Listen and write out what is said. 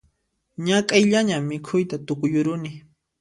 Ñak'ayllaña mikhuyta tukuyuruni